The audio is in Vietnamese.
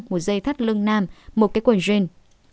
một dây thắt lưng nam một cái quần jean